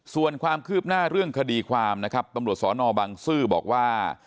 ส่วนความคืบหน้าขดีความตศนบังซื่อบอกว่า